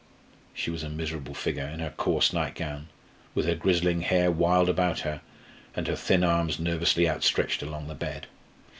She was a miserable figure in her coarse nightgown, with her grizzling hair wild about her, and her thin arms nervously outstretched along the bed.